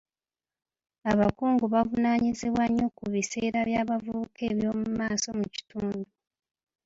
Abakungu bavunaanyizibwa nnyo ku biseera by'abavukuba eby'omu maaso mu kitundu.